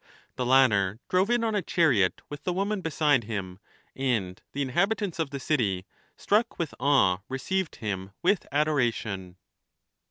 The latter drove in on a chariot with the woman beside him, and the inhabitants of the city, struck with awe, received him with adoration.